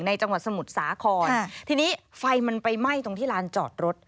จังหวัดสมุทรสาครทีนี้ไฟมันไปไหม้ตรงที่ลานจอดรถ